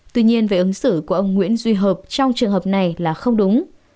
tuy nhiên về ứng xử của ông nguyễn duy hợp trong trường hợp này là không đúng